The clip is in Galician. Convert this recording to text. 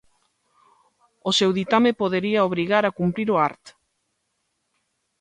O seu ditame podería obrigar a cumprir o Art.